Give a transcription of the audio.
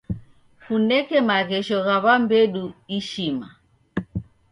Kuneke maghesho gha w'ambedu ishima.